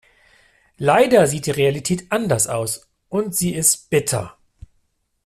Leider sieht die Realität anders aus und sie ist bitter.